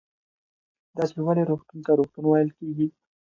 دا چې ولې روغتون ته روغتون ویل کېږي